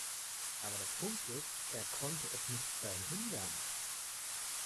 Aber der Punkt ist, er konnte es nicht verhindern.